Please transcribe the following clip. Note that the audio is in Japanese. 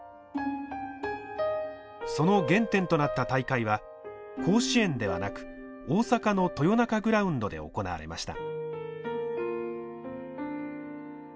その原点となった大会は甲子園ではなく大阪の豊中グラウンドで行われました。